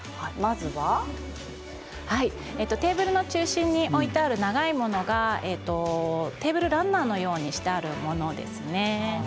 テーブルの中心にあるのがテーブルランナーのようにしてあるものです。